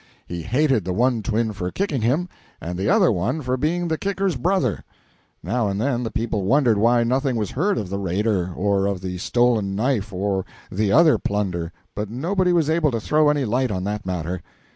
He hated the one twin for kicking him, and the other one for being the kicker's brother. Now and then the people wondered why nothing was heard of the raider, or of the stolen knife or the other plunder, but nobody was able to throw any light on that matter.